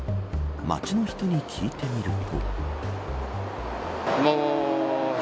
街の人に聞いてみると。